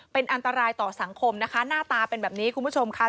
เป็นอันตรายต่อสังคมนะคะหน้าตาเป็นแบบนี้คุณผู้ชมค่ะ